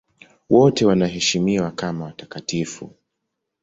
Wote wanaheshimiwa kama watakatifu.